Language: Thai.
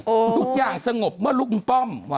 โอ้โฮทุกอย่างสงบเมื่อลุงป้อม